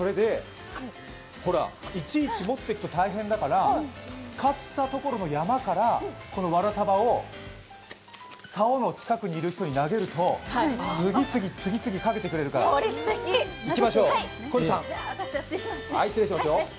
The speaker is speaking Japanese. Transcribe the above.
いちいち持っていくと大変だから狩ったところの山からこのわら束をさおの近くにいる人に投げると次々、次々、かけてくれるから、いきましょう。